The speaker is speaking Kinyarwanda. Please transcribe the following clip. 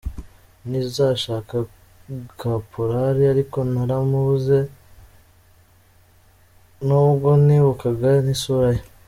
Nti nzashaka kaporari ariko naramubuze, n’ubwo ntibukaga n’isura ye !